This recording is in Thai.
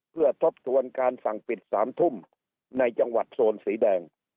เพื่อทบทวนการสั่งปิด๓ทุ่มในจังหวัดโซนสีแดง